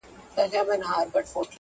شمعي ته به نه وایې چي مه سوځه!!